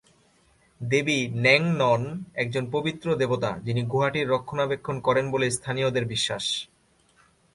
দেবী ন্যাং নন একজন পবিত্র দেবতা যিনি গুহাটির রক্ষণাবেক্ষণ করেন বলে স্থানীয়দের বিশ্বাস।